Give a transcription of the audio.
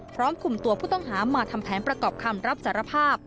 พร้อมคุมตัวผู้ต้องหามาทำแผนประกอบคำรับสารภาพ